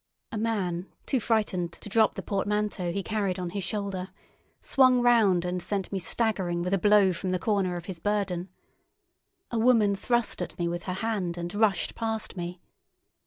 A man, too frightened to drop the portmanteau he carried on his shoulder, swung round and sent me staggering with a blow from the corner of his burden. A woman thrust at me with her hand and rushed past me.